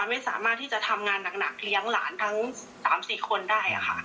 ไม่สามารถที่จะทำงานหนักเลี้ยงหลานทั้ง๓๔คนได้ค่ะ